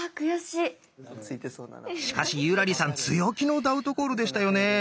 しかし優良梨さん強気のダウトコールでしたよね。